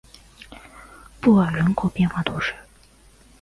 布尔人口变化图示